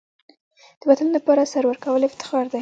د وطن لپاره سر ورکول افتخار دی.